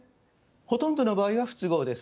ほとんどの場合は不都合です。